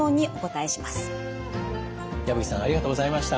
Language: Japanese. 矢吹さんありがとうございました。